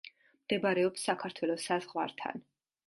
მდებარეობს საქართველოს საზღვართან.